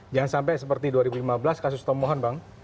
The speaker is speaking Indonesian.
jangan sampai seperti dua ribu lima belas kasus pemohon bang